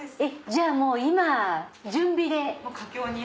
じゃあもう今準備で。